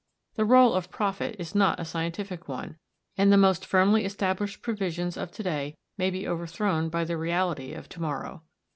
The rôle of prophet is not a scientific one, and the most firmly established previsions of to day may be overthrown by the reality of to morrow.